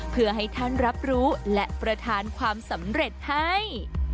เพื่อให้ท่านรับรู้และประธานความสำเร็จให้